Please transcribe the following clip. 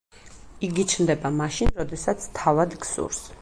იგი ჩნდება მაშინ, როდესაც თავად გსურს.